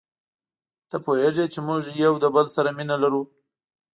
ته پوهیږې چي موږ یو له بل سره مینه لرو.